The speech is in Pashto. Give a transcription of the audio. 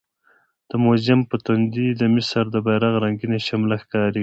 د موزیم په تندي د مصر د بیرغ رنګینه شمله ښکاري.